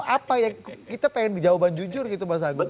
apa ya kita ingin jawaban jujur gitu mas agung